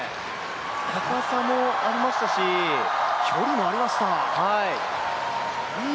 高さもありましたし、距離もありました。